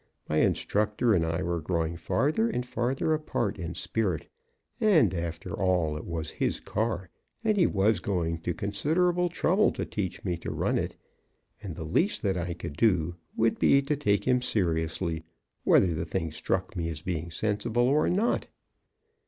My instructor and I were growing farther and farther apart in spirit, and, after all, it was his car and he was going to considerable trouble to teach me to run it, and the least that I could do would be to take him seriously, whether the thing struck me as being sensible or not.